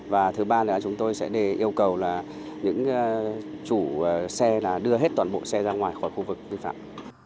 và thứ ba là chúng tôi sẽ yêu cầu những chủ xe đưa hết toàn bộ xe ra ngoài khỏi khu vực vi phạm